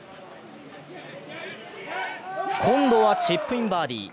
今度はチップインバーディー。